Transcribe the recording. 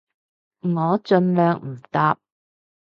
我盡量唔搭